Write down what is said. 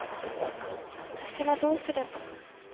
私はどうすれば？